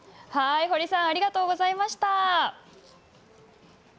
堀さんありがとうございました。